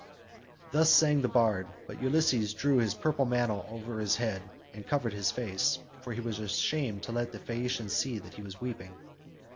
Thus sang the bard, but Ulysses drew his purple mantle over his head and covered his face, for he was ashamed to let the Phaeacians see that he was weeping.